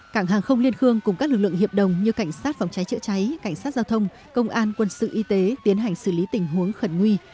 cảng hàng không liên khương cùng các lực lượng hiệp đồng như cảnh sát phòng cháy chữa cháy cảnh sát giao thông công an quân sự y tế tiến hành xử lý tình huống khẩn nguy